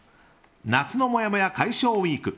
夏のもやもや解消ウィーク。